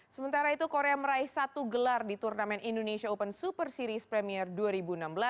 sementara itu korea meraih satu gelar di turnamen indonesia open super series premier dua ribu enam belas